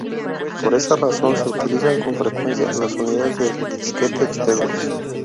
Por esa razón, se utilizan con frecuencia las unidades de disquete externos.